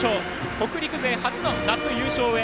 北陸勢初の夏優勝へ。